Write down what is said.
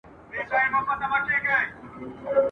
سوله پورته پر نيژدې توره ډبره ..